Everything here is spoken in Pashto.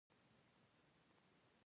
زه بېخي نه وم خبر